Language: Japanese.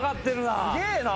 すげえな。